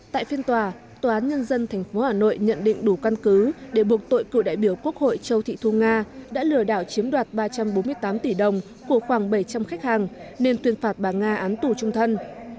tại phiên tòa tòa án nhân dân tp hà nội nhận định đủ căn cứ để buộc tội cựu đại biểu quốc hội châu thị thu nga đã lừa đảo chiếm đoạt ba trăm bốn mươi tám tỷ đồng của khoảng bảy trăm linh khách hàng nên tuyên phạt bà nga án tù trung thân